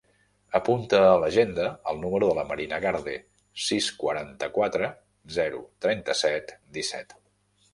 Apunta a l'agenda el número de la Marina Garde: sis, quaranta-quatre, zero, trenta-set, disset.